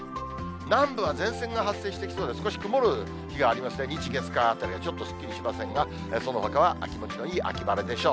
南部は前線が発生してきそうで、少し曇る日がありますね、日、月、火あたりはちょっとすっきりしませんが、そのほかは気持ちのいい秋晴れでしょう。